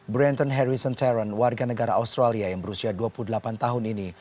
branton harrison terron warga negara australia yang berusia dua puluh delapan tahun ini